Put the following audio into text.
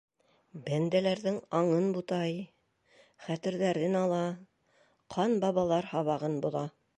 Бәндәләрҙең аңын бутай... хәтерҙәрен ала... ҡанбабалар һабағын боҙа!..